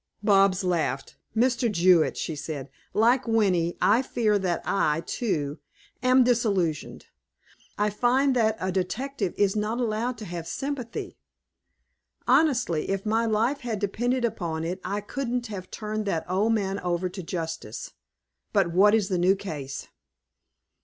Bobs laughed. "Mr. Jewett," she said, "like Winnie, I fear that I, too, am disillusioned. I find that a detective is not allowed to have sympathy. Honestly, if my life had depended upon it, I couldn't have turned that old man over to justice; but what is the new case?"